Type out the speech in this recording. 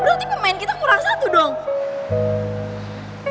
berarti pemain kita kurang satu dong